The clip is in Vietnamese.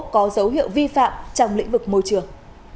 có dấu hiệu vi phạm trong lĩnh vực môi trường